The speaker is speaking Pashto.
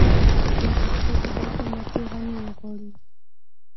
دوی غوښتل چې دا قيمتي غمی وغواړي